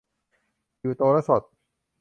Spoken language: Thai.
อยู่โตและสด